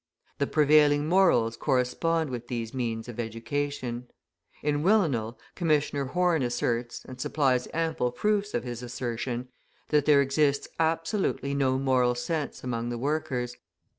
The prevailing morals correspond with these means of education. In Willenhall, Commissioner Horne asserts, and supplies ample proofs of his assertion, that there exists absolutely no moral sense among the workers.